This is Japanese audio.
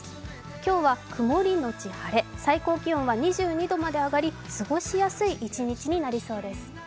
今日は曇りのち晴れ、最高気温は２２度まで上がり過ごしやすい一日になりそうです。